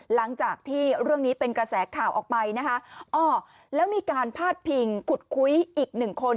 หลังจากที่เรื่องนี้เป็นกระแสข่าวออกไปนะคะอ้อแล้วมีการพาดพิงขุดคุยอีกหนึ่งคน